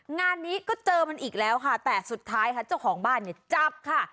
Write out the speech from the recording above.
งานนี้ก็เจอมันอีกแล้วค่ะแต่สุดท้ายค่ะเจ้าของบ้านเนี่ยจับค่ะ